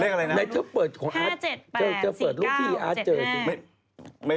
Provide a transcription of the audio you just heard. เลขอะไรนะ